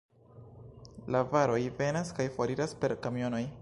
La varoj venas kaj foriras per kamionoj.